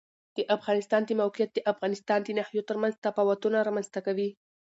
د افغانستان د موقعیت د افغانستان د ناحیو ترمنځ تفاوتونه رامنځ ته کوي.